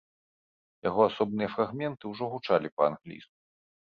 Яго асобныя фрагменты ўжо гучалі па-англійску.